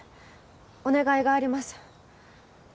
お願いがあります。